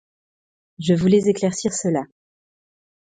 Je voulais éclaircir cela.